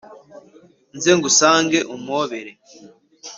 Nze ngusange umpobere